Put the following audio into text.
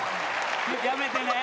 やめてね。